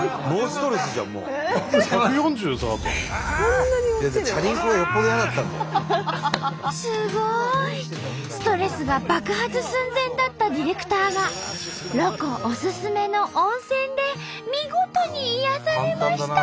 ストレスが爆発寸前だったディレクターがロコおすすめの温泉で見事に癒やされました！